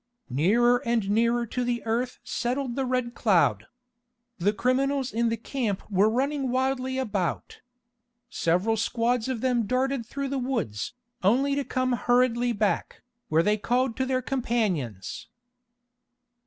Nearer and nearer to the earth settled the Red Cloud. The criminals in the camp were running wildly about. Several squads of them darted through the woods, only to come hurriedly back, where they called to their companions.